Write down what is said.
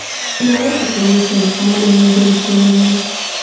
Kuna urefu wa kilomita elfu moja mia mbili ishirini na nane